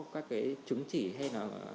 chứng chỉ hay